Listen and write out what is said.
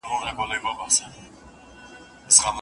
استاد به د څېړني مسوده حتما لولي.